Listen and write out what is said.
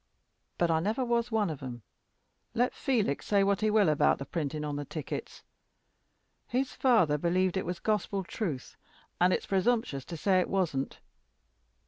But I never was one of 'em, let Felix say what he will about the printing on the tickets. His father believed it was gospel truth, and it's presumptuous to say it wasn't.